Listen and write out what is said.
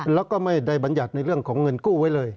แล้วก็ไม่ได้บรรยัติในเรื่องของเงินกู้ไว้เลย